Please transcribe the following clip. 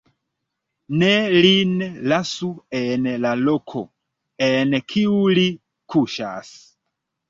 Ne lin lasu en la loko, en kiu li kuŝas.